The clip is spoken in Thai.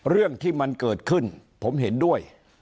เรื่องที่มันเกิดขึ้นผมเห็นด้วย